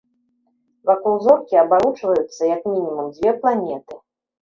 Вакол зоркі абарочваюцца, як мінімум, дзве планеты.